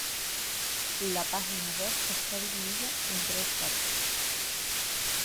La página web está dividida en tres partes.